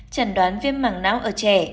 trần đoán viêm mẳng não ở trẻ